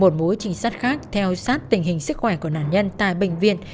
một mối trình sát khác theo sát tình hình sức khỏe của nạn nhân tại bệnh viện